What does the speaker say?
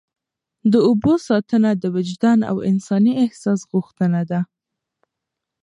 د اوبو ساتنه د وجدان او انساني احساس غوښتنه ده.